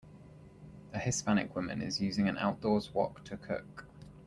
A hispanic woman is using a outdoors wok to cook.